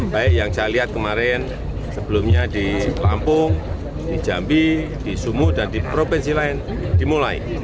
baik yang saya lihat kemarin sebelumnya di lampung di jambi di sumuh dan di provinsi lain dimulai